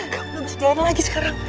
kamu sudah segera lagi sekarang